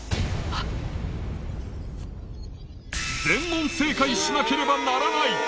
全問正解しなければならない。